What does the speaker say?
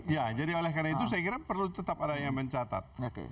ya jadi oleh karena itu saya kira perlu tetap ada yang mencatat